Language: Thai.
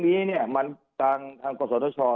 พวกนี้มันการทางข้อเชิญฐาชนาที